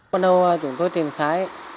ban đầu chúng tôi triển khai